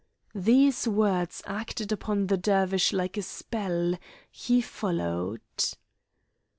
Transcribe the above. These words acted upon the Dervish like a spell; he followed.